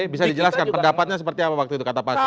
bisa dijelaskan pendapatnya seperti apa waktu itu kata pak surya